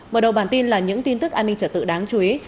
mở đầu bản tin là những tin tức an ninh trở tự đáng chú ý